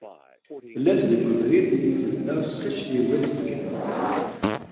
Llant deg ubrid mi d-tebda tesxicliw-d legerra.